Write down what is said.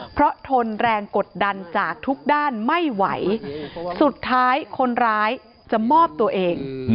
เพราะทนแรงกดดันจากทุกด้านไม่ไหวสุดท้ายคนร้ายจะมอบตัวเอง